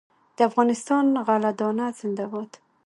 د افغانستان غله دانه زنده باد.